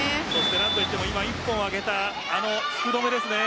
何と言っても今１本を上げた福留ですね。